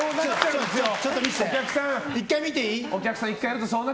１回見ていい？